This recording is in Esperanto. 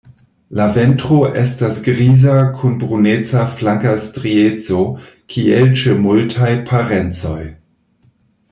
La ventro estas griza kun bruneca flanka strieco, kiel ĉe multaj parencoj.